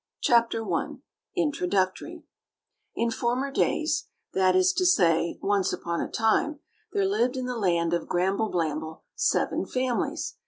_] CHAPTER I INTRODUCTORY In former days—that is to say, once upon a time—there lived in the Land of Gramble blamble seven families.